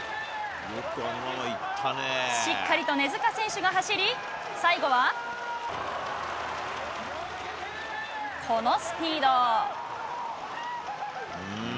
しっかりと根塚選手が走り、最後は、このスピード。